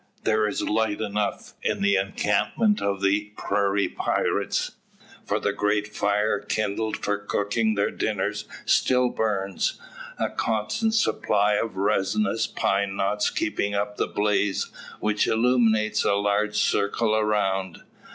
There is light enough in the encampment of the prairie pirates; for the great fire kindled for cooking their dinners still burns, a constant supply of resinous pine knots keeping up the blaze, which illuminates a large circle around.